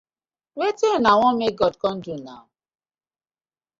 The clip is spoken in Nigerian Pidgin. Wetin una wan mek God com do naw?